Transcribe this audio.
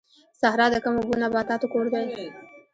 صحرا د کم اوبو نباتاتو کور دی